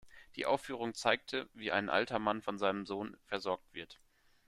Die Aufführung zeigte, wie ein alter Mann von seinem Sohn versorgt wird.